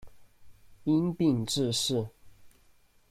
因病致仕。